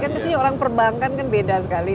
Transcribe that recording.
kan disini orang perbankan kan beda sekali